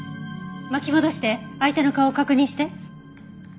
巻き戻して相手の顔を確認して。